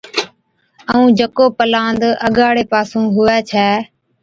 ائُون جڪو پَلاند اَگاڙي پاسي ھُوي ڇَي